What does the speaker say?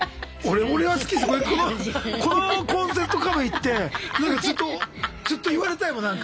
このコンセプトカフェ行ってなんかずっとずっと言われたいもんなんか。